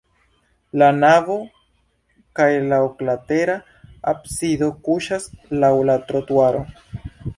La navo kaj la oklatera absido kuŝas laŭ la trotuaro.